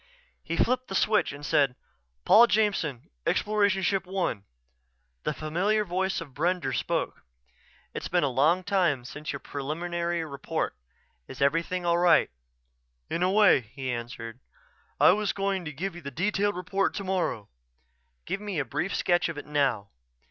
He flipped the switch and said, "Paul Jameson, Exploration Ship One." The familiar voice of Brender spoke: "It's been some time since your preliminary report. Is everything all right?" "In a way," he answered. "I was going to give you the detailed report tomorrow." "Give me a brief sketch of it now."